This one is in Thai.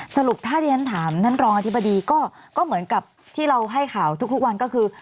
สรุปถ้าที่ฉันถามท่านรองอธิบดีก็เหมือนกับที่เราให้ข่าวทุกวันก็คือ